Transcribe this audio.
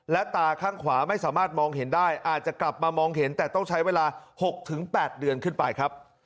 และตาข้างขวาไม่สามารถมองเห็นได้อาจจะกลับมามองเห็นแต่ต้องใช้เวลา๖๘เดือนขึ้นไปครับ